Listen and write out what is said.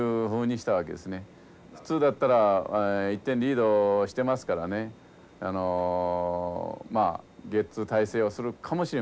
普通だったら１点リードしてますからねあのまあゲッツー態勢をするかもしれません。